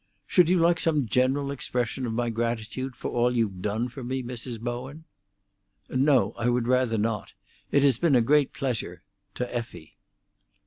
"Should you like some general expression of my gratitude for all you've done for me, Mrs. Bowen?" "No; I would rather not. It has been a great pleasure—to Effie."